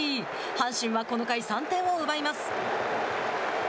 阪神はこの回、３点を奪います。